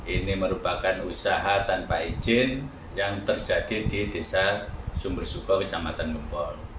ini merupakan usaha tanpa izin yang terjadi di desa sumber suko kecamatan ngebol